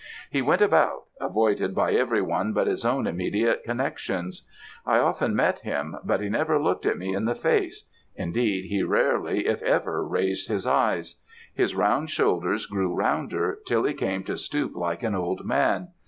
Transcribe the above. He went about, avoided by every one but his own immediate connexions. I often met him, but he never looked me in the face; indeed, he rarely, if ever, raised his eyes; his round shoulders grew rounder, till he came to stoop like an old man.